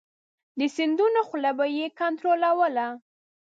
د سیندونو خوله به یې کنترولوله.